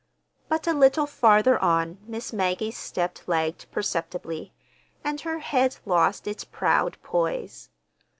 But a little farther on Miss Maggie's step lagged perceptibly, and her head lost its proud poise.